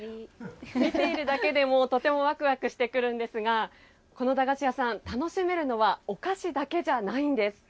見ているだけでもとてもわくわくしてくるんですがこの駄菓子屋さん、楽しめるのはお菓子だけではないんです。